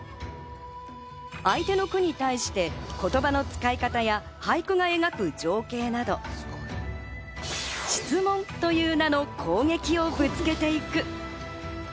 相手の句に対して言葉の使い方や俳句が描く情景など、質問という名の攻撃をぶつけていく。